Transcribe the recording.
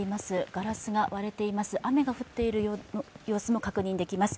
ガラスが割れています、雨が降っている様子も確認できます。